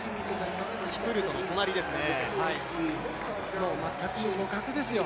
キプルトの隣ですね。